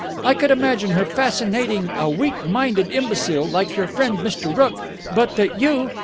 I could imagine her fascinating a weak minded imbecile like your friend Mr. Rooke. But that you....